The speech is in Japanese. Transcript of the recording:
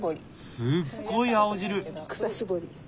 すっごい青汁！